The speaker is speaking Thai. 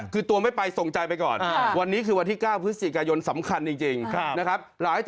คือตัวไม่ไปส่งใจไปก่อนวันนี้คือวันที่๙พฤศจิกายนสำคัญจริงนะครับ